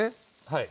はい。